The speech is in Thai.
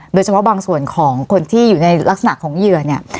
โดยเฉพาะบางส่วนของคนที่อยู่ในลักษณะของเหยื่อเนี่ย